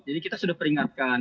jadi kita sudah peringatkan